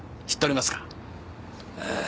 ええ。